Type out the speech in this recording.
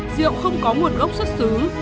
rượu không có nguồn gốc xuất xứ